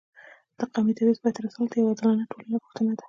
د قومي تبعیض پای ته رسول د یو عادلانه ټولنې غوښتنه ده.